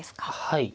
はい。